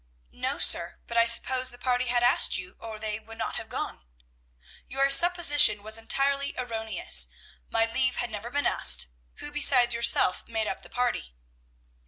"No, sir; but I supposed the party had asked you, or they would not have gone." "Your supposition was entirely erroneous. My leave had never been asked. Who besides yourself made up the party?"